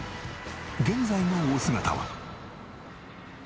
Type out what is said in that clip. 現在のお姿は？